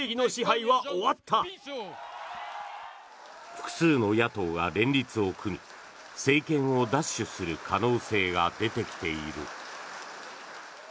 複数の野党が連立を組み政権を奪取する可能性が出てきている。